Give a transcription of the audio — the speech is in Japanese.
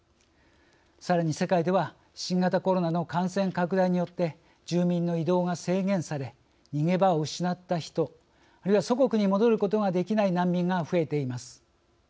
さらに世界では新型コロナの感染拡大によって住民の移動が制限され逃げ場を失った人あるいは祖国に戻ることができない難民が増えています。